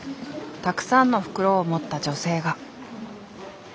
たくさんの袋を持った女性が。